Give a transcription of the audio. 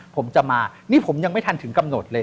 ผมจะมานี่ผมยังไม่ทันถึงกำหนดเลย